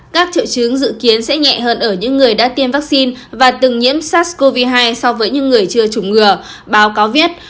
các triệu chứng dự kiến sẽ nhẹ hơn ở những người đã tiêm vaccine và từng nhiễm sars cov hai so với những người chưa chủng ngừa báo cáo viết